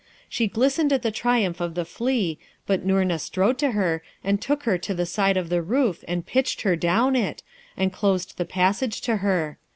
She glistened at the triumph of the flea, but Noorna strode to her, and took her to the side of the roof, and pitched her down it, and closed the passage to her.